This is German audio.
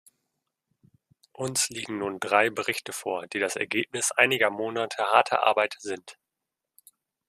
Uns liegen nun drei Berichte vor, die das Ergebnis einiger Monate harter Arbeit sind.